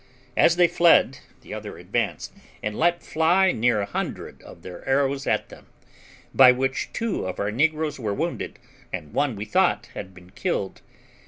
As they fled, the other advanced, and let fly near a hundred of their arrows at them, by which two of our negroes were wounded, and one we thought had been killed.